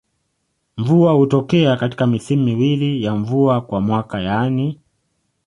Mvua hutokea katika misimu miwili ya mvua kwa mwaka yani